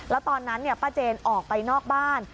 แล้วตอนนั้นป้าเจนออกไปนอกบ้าน